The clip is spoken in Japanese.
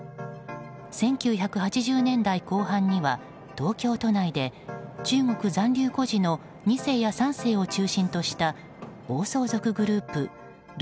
１９８０年代後半には東京都内で中国残留孤児の２世や３世を中心とした暴走族グループ怒